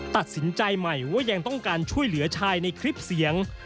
ตัดสินใจใหม่ว่ายังต้องการช่วยเหลือชายในคลิปเสียง